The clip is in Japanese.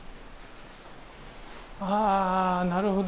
ああなるほど。